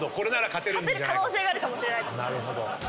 勝てる可能性があるかもしれない。